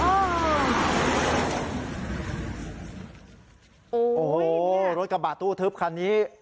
โอ้โหรถกระบะตู้ทึบคันนี้